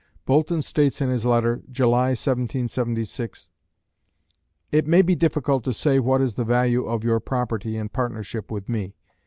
Boulton states in his letter, July, 1776: It may be difficult to say what is the value of your property in partnership with me.